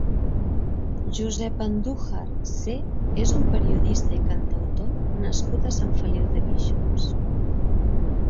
Josep Andújar "Sé" és un periodista i cantautor nascut a Sant Feliu de Guíxols.